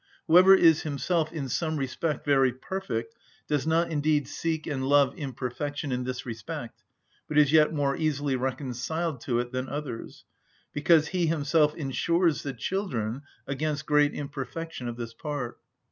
Whoever is himself in some respect very perfect does not indeed seek and love imperfection in this respect, but is yet more easily reconciled to it than others; because he himself insures the children against great imperfection of this part.